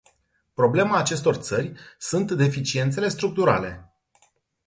Problema acestor țări sunt deficiențele structurale.